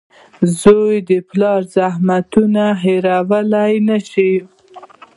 • زوی د پلار زحمتونه هېرولی نه شي.